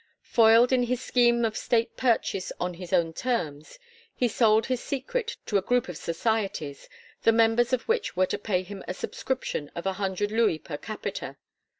Foiled in his scheme of state purchase on his own terms, he sold his secret to a group of societies, the members of which were to pay him a subscription of a hundred louis per capita.